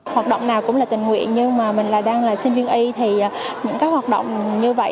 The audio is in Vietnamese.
hoạt động nào cũng là tình nguyện nhưng mà mình là đang là sinh viên y thì những cái hoạt động như vậy